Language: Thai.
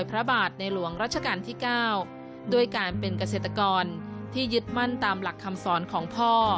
พระบาทในหลวงรัชกาลที่๙ด้วยการเป็นเกษตรกรที่ยึดมั่นตามหลักคำสอนของพ่อ